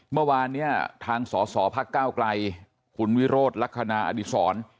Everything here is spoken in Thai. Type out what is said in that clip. เมื่อวานทางสสภเก้าไกลคุณวิโรธลักษณะอดิษร